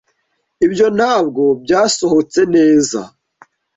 Ibyo ntabwo byasohotse neza